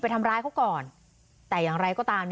ทำร้ายเขาก่อนแต่อย่างไรก็ตาม